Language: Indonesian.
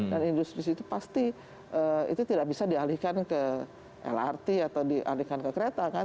dan industri di situ pasti itu tidak bisa dialihkan ke lrt atau dialihkan ke kereta kan